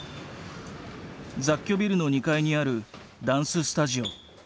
雑居ビルの２階にあるダンススタジオ。